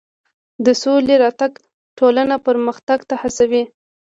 د سولې راتګ ټولنه پرمختګ ته هڅوي.